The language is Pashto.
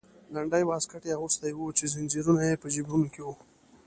لنډی واسکټ یې اغوستی و چې زنځیرونه یې په جیبونو کې وو.